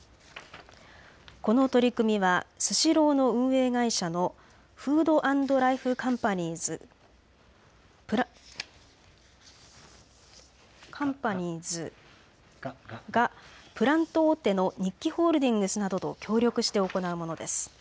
この取り組みはスシローの運営会社のＦＯＯＤ＆ＬＩＦＥＣＯＭＰＡＮＩＥＳがプラント大手の日揮ホールディングスなどと協力して行うものです。